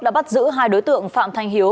đã bắt giữ hai đối tượng phạm thanh hiếu